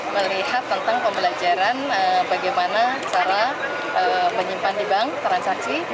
melihat tentang pembelajaran bagaimana cara menyimpan di bank transaksi